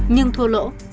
nhưng thua lỗ